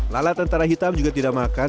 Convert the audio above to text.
lala tentara hitam juga tidak makan